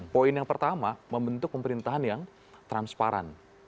poin yang pertama membentuk pemerintahan yang transparan